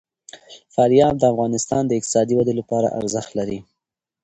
فاریاب د افغانستان د اقتصادي ودې لپاره ارزښت لري.